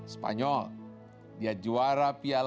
spanyol dia juara piala